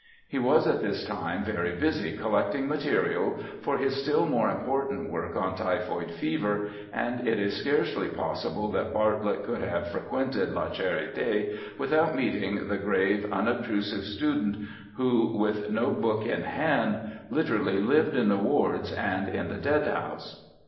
He was at this time very busy collecting material for his still more important work on typhoid fever, and it is scarcely possible that Bartlett could have fre quented La Charity without meeting the grave, unob trusive student, who, with notebook in hand, literally lived in the wards and in the dead house.